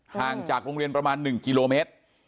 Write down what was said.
ห่างจากโรงเรียนประมาณ๑กิโลเมตร